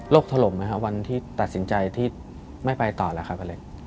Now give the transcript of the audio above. โลกถล่มไหมคะวันที่ตัดสินใจที่ไม่ไปต่อแล้วครับ